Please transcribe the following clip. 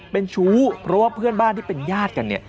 เป็นชู้เพราะว่าเพื่อนบ้านที่เป็นญาติกันเนี่ย